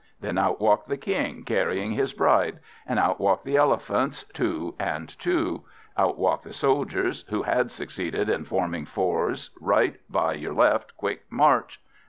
Then out walked the King, carrying his bride; and out walked the elephants, two and two; out walked the soldiers, who had succeeded in forming fours right, by your left, quick march!